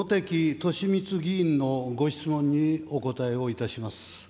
敏充議員のご質問にお答えをいたします。